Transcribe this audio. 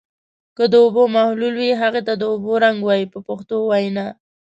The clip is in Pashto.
که د اوبو محلل وي هغه ته د اوبو رنګ وایي په پښتو وینا.